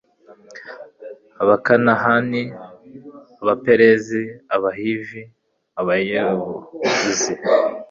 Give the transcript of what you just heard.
abakanahani, abaperezi, abahivi, abayebuzi